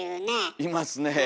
いますねえ。